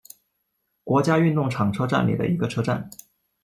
国家运动场车站里的一个车站。